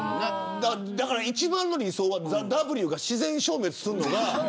一番の理想はＴＨＥＷが自然消滅するのが。